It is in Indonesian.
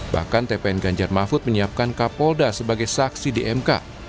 bahkan tpn ganjar mahfud menyiapkan kapolda sebagai saksi di mk